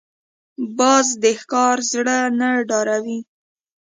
باز د ښکار زړه نه ډاروي